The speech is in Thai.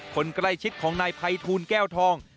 คนใกล้ชิดของนายภัยทูลแก้วทอง